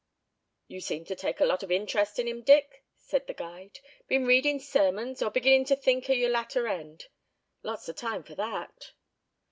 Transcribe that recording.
"You seem to take a lot of interest in him, Dick," said the guide. "Been readin' sermons, or beginnin' to think o' your latter end? Lots of time for that."